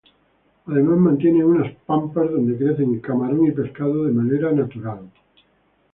Además mantienen unas "pampas", donde crecen camarón y pescado de manera natural.